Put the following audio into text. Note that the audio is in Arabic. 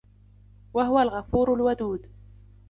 وَهُوَ الْغَفُورُ الْوَدُودُ